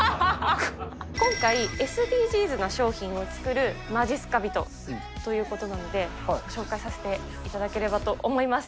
今回、ＳＤＧｓな商品を作るまじっすか人ということなので、紹介させていただければと思います。